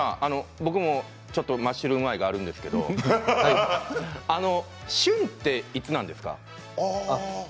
僕もマッシュルーム愛があるんですけど旬っていつなんですか？